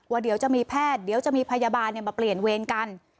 เดี๋ยวจะมีแพทย์เดี๋ยวจะมีพยาบาลมาเปลี่ยนเวรกัน